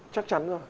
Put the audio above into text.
chắc chắn rồi